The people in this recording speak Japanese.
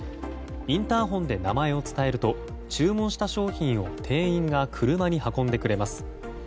インターホンで名前を伝えると注文した商品を店員が車に運んでくれます。